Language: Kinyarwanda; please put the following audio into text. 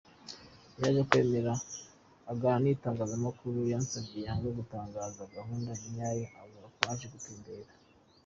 Yaje kwemera aganira n'itangazamakuruYatsembye yanga gutangaza gahunda nyayo avuga ko aje gutembera.